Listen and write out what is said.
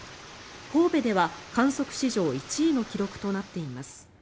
神戸では観測史上１位の記録となっています。